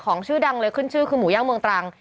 ชื่อดังเลยขึ้นชื่อคือหมูย่างเมืองตรัง